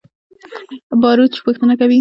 باروچ پوښتنه کوي.